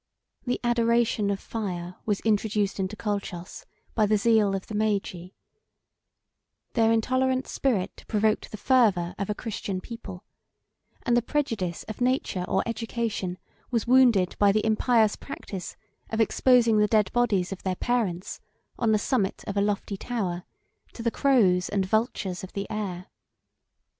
The adoration of fire was introduced into Colchos by the zeal of the Magi: their intolerant spirit provoked the fervor of a Christian people; and the prejudice of nature or education was wounded by the impious practice of exposing the dead bodies of their parents, on the summit of a lofty tower, to the crows and vultures of the air.